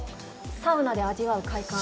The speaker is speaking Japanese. サウナで味わう快感と。